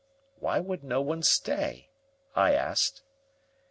"Why would no one stay?" I asked.